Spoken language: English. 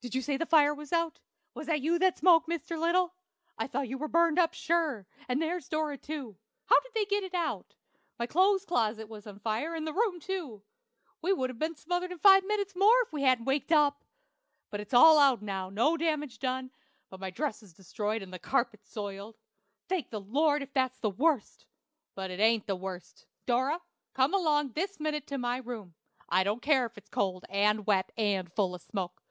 "Did you say the fire was out? Was that you that spoke, Mr. Little? I thought you were burned up, sure; and there's Dora, too. How did they get it out? My clothes closet was on fire, and the room, too! We would have been smothered in five minutes more if we hadn't waked up! But it's all out now, and no damage done, but my dresses destroyed and the carpet spoiled. Thank the Lord, if that's the worst! But it ain't the worst. Dora, come along this minute to my room. I don't care if it is cold, and wet, and full of smoke.